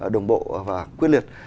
đồng bộ và quyết liệt